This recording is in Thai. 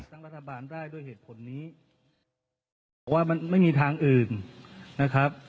ตั้งรัฐบาลได้ด้วยเหตุผลนี้บอกว่ามันไม่มีทางอื่นนะครับ